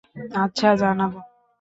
আচ্ছা, জানাবো।